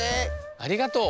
ありがとう。